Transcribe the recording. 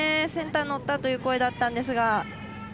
センターのったという声だったんですが。